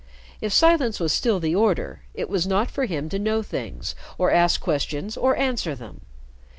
If silence was still the order, it was not for him to know things or ask questions or answer them.